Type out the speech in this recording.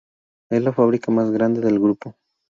Es la fábrica más grande del grupo.